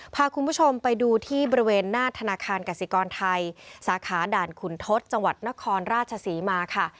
พาคุณผู้ชมไปดูที่บริเวณหน้าธนาคารกสิกรไทยสาขาด่านขุนทศจังหวัดนครราชศรีมาค่ะ